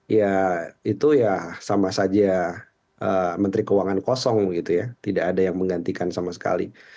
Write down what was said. ya itu ya sama saja menteri keuangan kosong gitu ya tidak ada yang menggantikan sama sekali